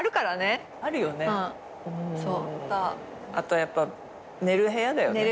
あとやっぱ寝る部屋だよね。